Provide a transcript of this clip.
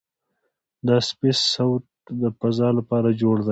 دا سپېس سوټ د فضاء لپاره جوړ دی.